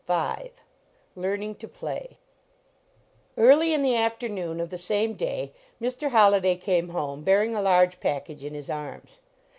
59 ROLLO LEARNING TO PLAY V i ARLY in the afternoon of the same day, Mr. Holli day came home bearing a large package in his arms.